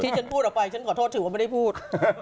ฉันพูดออกไปฉันขอโทษถือว่าไม่ได้พูด